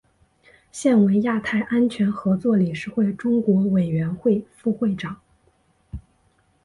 现为亚太安全合作理事会中国委员会副会长。